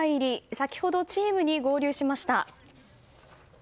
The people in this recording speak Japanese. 先ほどチームに合流しました。